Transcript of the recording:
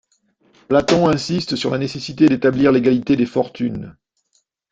Platon insiste sur la nécessité d'établir l'égalité des fortunes.